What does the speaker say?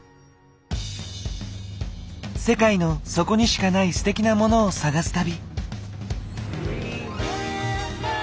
世界のそこにしかないステキなモノを探す旅。